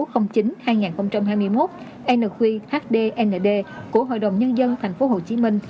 theo nghị quyết hdnd của hội đồng nhân dân thành phố hồ chí minh